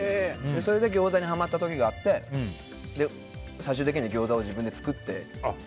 それでギョーザにハマった時があって最終的にはギョーザを自分で作って。